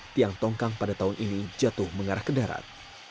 tiang tongkang pada tahun ini jatuh mengarah ke darat